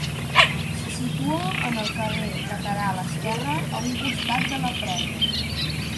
Se situa en el lateral esquerre a un costat de la presa.